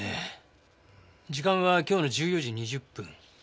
時間は今日の１４時２０分。